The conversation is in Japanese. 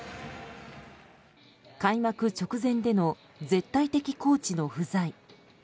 開幕直前での絶対的コーチの不在。